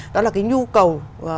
đó là cái nhu cầu